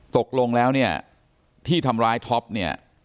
ตกลงแล้วเนี่ยที่ทำร้ายท็อปเนี่ย